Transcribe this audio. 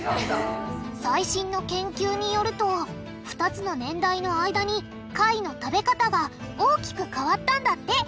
最新の研究によると２つの年代の間に貝の食べ方が大きく変わったんだって。